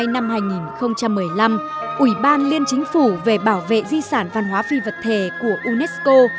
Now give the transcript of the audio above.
năm hai nghìn một mươi năm ủy ban liên chính phủ về bảo vệ di sản văn hóa phi vật thể của unesco